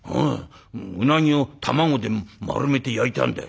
「うなぎを卵で丸めて焼いたんだよ。